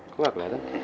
kok gak keliatan